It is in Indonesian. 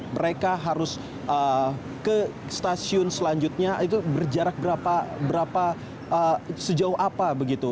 mereka harus ke stasiun selanjutnya itu berjarak berapa sejauh apa begitu